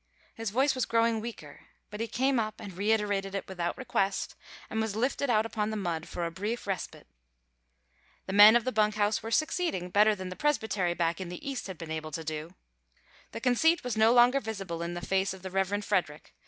His voice was growing weaker, but he came up and reiterated it without request, and was lifted out upon the mud for a brief respite. The men of the bunk house were succeeding better than the Presbytery back in the East had been able to do. The conceit was no longer visible in the face of the Reverend Frederick.